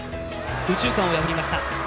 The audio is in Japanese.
右中間を破りました。